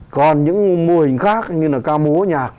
còn những mô hình khác như là ca múa nhạc